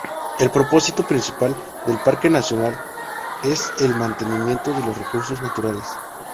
El propósito principal del parque nacional es el mantenimiento de los recursos naturales.